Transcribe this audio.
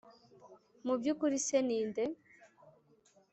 Mu by ukuri se ni nde